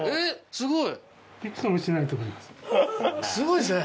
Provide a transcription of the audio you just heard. すごいですね！